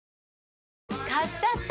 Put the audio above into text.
買っちゃった！